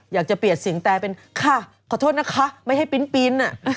อยากจะเปลี่ยนเสียงแต่เป็นค่ะขอโทษนะคะไม่ให้ปิ๊น